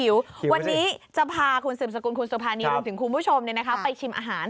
วันนี้จะพาคุณสุภานีลงถึงคุณผู้ชมไปชิมอาหาร